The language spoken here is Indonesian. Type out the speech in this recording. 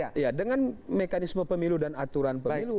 kalau sebenarnya dengan mekanisme pemilu dan aturan pemilu